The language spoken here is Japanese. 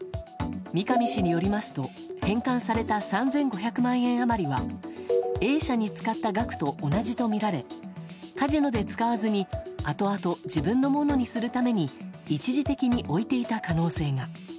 三上氏によりますと返還された３５００万円余りはＡ社に使った額と同じとみられカジノで使わずにあとあと自分のものにするために一時的に置いていた可能性が。